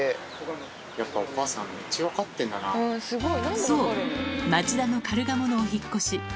やっぱお母さん、そう、町田のカルガモのお引っ越し。